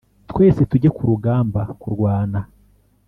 twese tujye ku rugamba kurwana